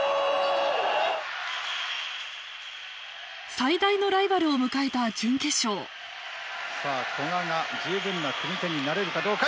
最大のライバルを迎えた準決勝さあ古賀が十分な組み手になれるかどうか？